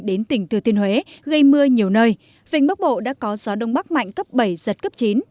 đến tỉnh thừa thiên huế gây mưa nhiều nơi vịnh bắc bộ đã có gió đông bắc mạnh cấp bảy giật cấp chín